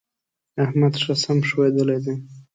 احمد ښه سم ښويېدلی دی.